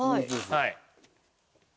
はい。